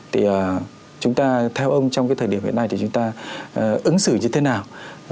thì chúng ta theo ông trong cái thời điểm hiện nay thì chúng ta ứng xử như thế nào